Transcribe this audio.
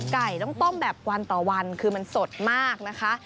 ไก่ต้องต้มแบบวันต่อวันคือมันสดมากนะคะ